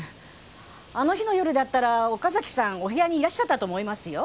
あの日の夜だったら岡崎さんお部屋にいらっしゃったと思いますよ。